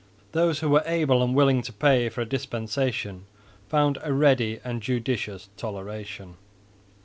Those who were able and willing to pay for a dispensation found a ready and judicious toleration.